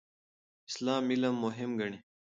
اسلام علم مهم ګڼي.